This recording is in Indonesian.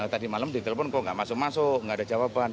tadi malam ditelepon kok nggak masuk masuk nggak ada jawaban